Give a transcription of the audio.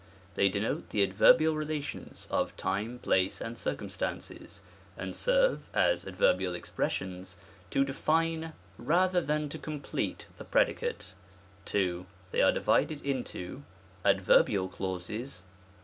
They denote the adverbial relations of Time, Place, and Circum stances, and serve, as adverbial expressions, to define rather than to complete the Predicate, 9* 202 ADVEEBIAL CLAUSES. §140. 2. They are divided into ADVEEBIAL CLAUSES I.